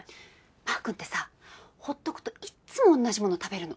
マー君ってさほっとくといっつもおんなじものを食べるの。